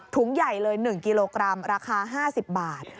ใหญ่เลย๑กิโลกรัมราคา๕๐บาท